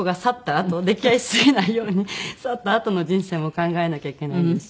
あと溺愛しすぎないように去ったあとの人生も考えなきゃいけないですし。